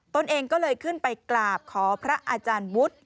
ตนเองก็เลยขึ้นไปกราบขอพระอาจารย์วุฒิ